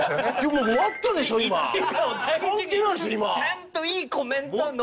ちゃんといいコメントを残して。